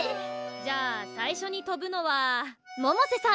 じゃあ最初にとぶのは百瀬さん。